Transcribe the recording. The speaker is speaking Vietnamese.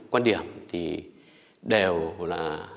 quan điểm thì đều là